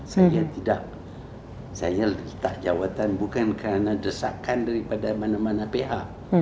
saya tidak saya letak jawatan bukan karena desakan daripada mana mana pa